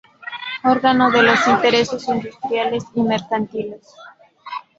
Órgano de los intereses industriales y mercantiles".